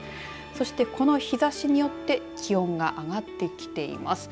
そして、この日ざしによって気温が上がってきています。